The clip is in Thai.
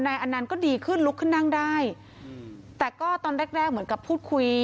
อันนั้นก็ดีขึ้นลุกขึ้นนั่งได้แต่ก็ตอนแรกแรกเหมือนกับพูดคุย